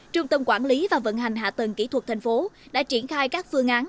trung tâm quản lý và vận hành hạ tầng kỹ thuật tp hcm đã triển khai các phương án